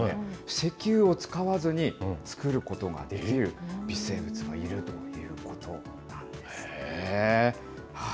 石油を使わずに作ることができる微生物がいるということなんです。